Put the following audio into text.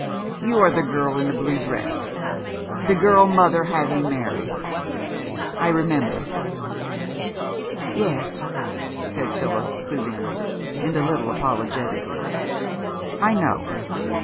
"You are the girl in the blue dress. The girl mother had me marry. I remember." "Yes," said Phyllis soothingly, and a little apologetically. "I know.